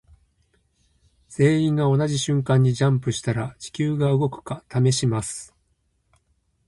全員が同じ瞬間にジャンプしたら地球が動くか試します。